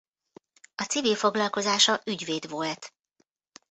A civil foglalkozása ügyvéd volt.